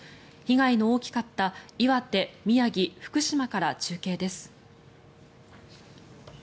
被害の大きかった岩手、宮城、福島から中継です。